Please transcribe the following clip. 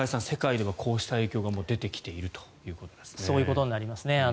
世界ではこうした影響が出てきているということですね。